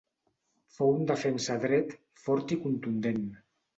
Fou un defensa dret fort i contundent.